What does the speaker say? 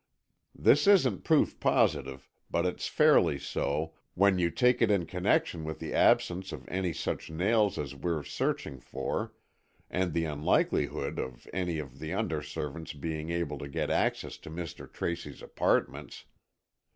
This isn't proof positive, but it's fairly so, when you take it in connection with the absence of any such nails as we're searching for, and the unlikelihood of any of the under servants being able to get access to Mr. Tracy's apartments.